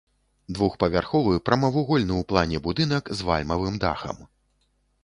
Двухпавярховы прамавугольны ў плане будынак з вальмавым дахам.